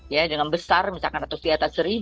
ya dengan besar misalkan atau di atas seribu